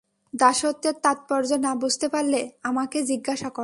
দাসত্বের তাৎপর্য না বুঝতে পারলে আমাকে জিজ্ঞাসা কর।